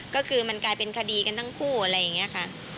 ก็คือมันกลายเป็นคดีกันทั้งคู่อะไรอย่างนี้ค่ะ